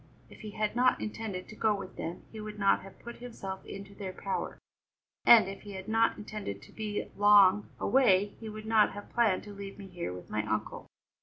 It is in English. If he had not intended to go with them he would not have put himself into their power, and if he had not intended to be long away he would not have planned to leave me here with my uncle."